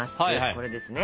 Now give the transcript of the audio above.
これですね。